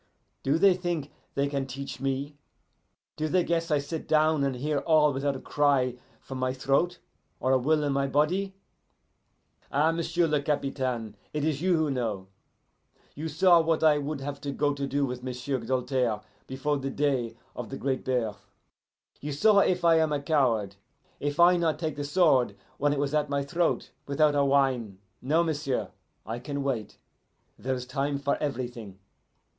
Do they think they can teach me? Do they guess I sit down and hear all without a cry from my throat or a will in my body? Ah, m'sieu' le Capitaine, it is you who know. You saw what I would have go to do with M'sieu' Doltaire before the day of the Great Birth. You saw if I am coward if I not take the sword when it was at my throat without a whine. No, m'sieu', I can wait. Then is a time for everything.